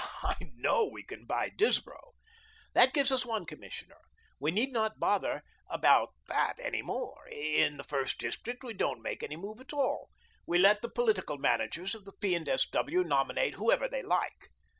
I KNOW we can buy Disbrow. That gives us one Commissioner. We need not bother about that any more. In the first district we don't make any move at all. We let the political managers of the P. and S. W. nominate whoever they like.